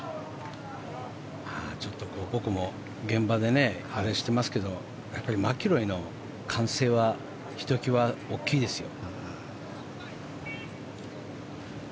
ちょっと僕も現場であれしてますけどマキロイの歓声はひときわ大きいですよ。